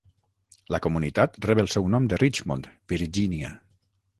La comunitat rep el seu nom de Richmond, Virgínia.